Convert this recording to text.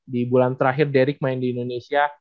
di bulan terakhir deric main di indonesia